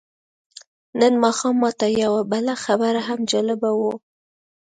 نن ماښام ماته یوه بله خبره هم جالبه وه.